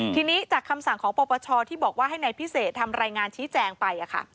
ทีนี้จากคำสั่งของปปชที่บอกว่าให้นายพิเศษทำรายงานชี้แจงไป